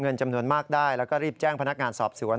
เงินจำนวนมากได้แล้วก็รีบแจ้งพนักงานสอบสวน